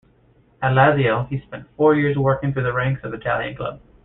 At Lazio, he spent four years working through the ranks of the Italian club.